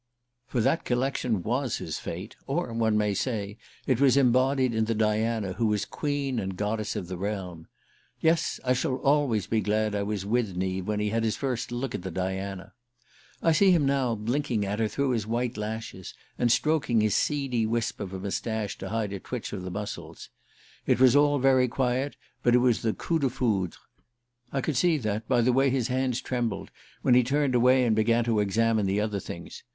For that collection was his fate: or, one may say, it was embodied in the Diana who was queen and goddess of the realm. Yes I shall always be glad I was with Neave when he had his first look at the Diana. I see him now, blinking at her through his white lashes, and stroking his seedy wisp of a moustache to hide a twitch of the muscles. It was all very quiet, but it was the coup de foudre. I could see that by the way his hands trembled when he turned away and began to examine the other things.